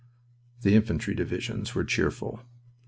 The infantry divisions were cheerful.